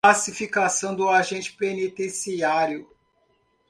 Classificação do agente penitenciário